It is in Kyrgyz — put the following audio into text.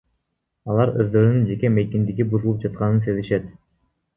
Алар өздөрүнүн жеке мейкиндиги бузулуп жатканын сезишет.